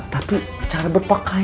tapi cara berpakaiannya